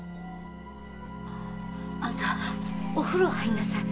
あんたお風呂入りなさい。